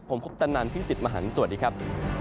ผมพบจันทร์นานพิศิษฐ์มหันฑ์สวัสดีครับ